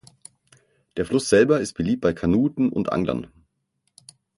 Der Fluss selber ist beliebt bei Kanuten und Anglern.